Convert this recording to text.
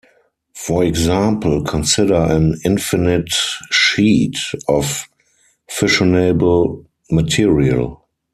For example, consider an infinite sheet of fissionable material.